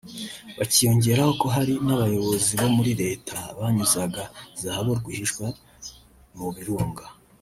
bikiyongeraho ko hari n’abayobozi bo muri Leta banyuzaga zahabu rwihishwa mu Birunga